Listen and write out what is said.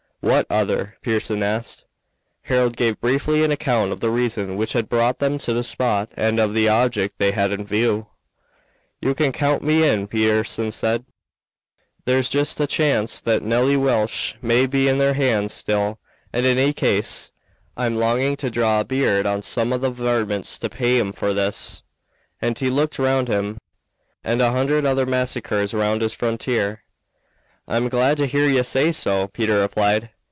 "What other?" Pearson, asked. Harold gave briefly an account of the reason which had brought them to the spot and of the object they had in view. "You can count me in," Pearson said. "There's just a chance that Nelly Welch may be in their hands still; and in any case I'm longing to draw a bead on some of the varmints to pay 'em for this," and he looked round him, "and a hundred other massacres round this frontier." "I'm glad to hear ye say so," Peter replied.